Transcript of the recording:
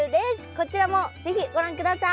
こちらも是非ご覧ください。